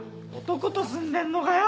男と住んでんのかよ！